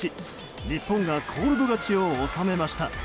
日本がコールド勝ちを収めました。